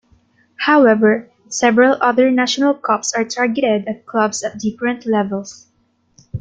However, several other national cups are targeted at clubs at different levels.